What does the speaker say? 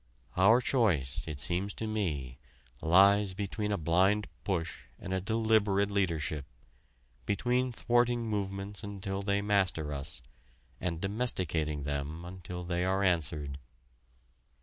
Our choice, it seems to me, lies between a blind push and a deliberate leadership, between thwarting movements until they master us, and domesticating them until they are answered.